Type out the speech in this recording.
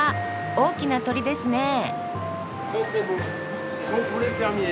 大きな鶏ですねえ。